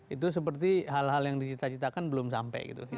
itu seperti hal hal yang dicita citakan belum sampai gitu